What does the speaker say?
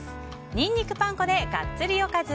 ニンニクパン粉でガッツリおかず。